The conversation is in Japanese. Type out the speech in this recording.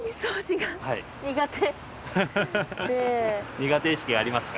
苦手意識ありますか？